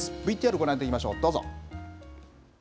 ＶＴＲご覧いただきましょう、どうぞ。